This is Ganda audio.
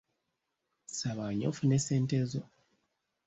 Saba nnyo ofune ssente zo.